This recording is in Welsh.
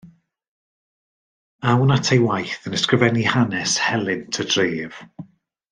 Awn at ei waith yn ysgrifennu hanes helynt y dref.